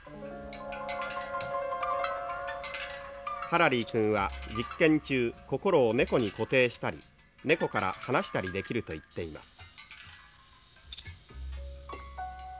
「ハラリー君は実験中心を猫に固定したり猫から離したりできると言っています」。